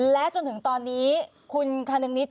และจนถึงตอนนี้คุณคณึงนิด